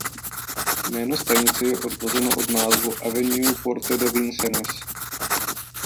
Jméno stanice je odvozeno od názvu "Avenue Porte de Vincennes".